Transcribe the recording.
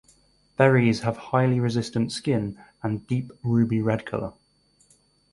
Berries have highly resistant skin and deep ruby red color.